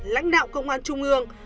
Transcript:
lãnh đạo công an trung ương